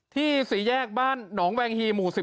สี่แยกบ้านหนองแวงฮีหมู่๑๑